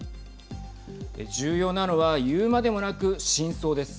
重要なのは言うまでもなく真相です。